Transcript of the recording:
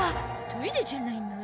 トイレじゃないの？